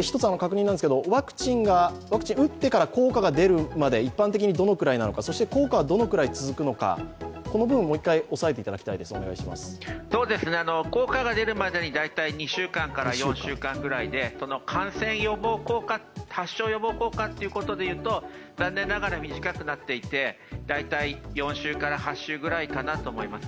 一つ確認なんですけど、ワクチンを打ってから効果が出るまでどのくらいなのか、一般的にどのくらいなのか、そして効果はどのくらい続くのか、効果が出るまでに大体２週間から４週間で感染予防効果、発症予防効果ということでいうと残念ながら短くなっていて、大体４週から８週くらいかなと思います。